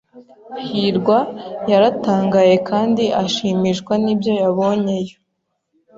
hirwa yaratangaye kandi ashimishwa nibyo yabonyeyo.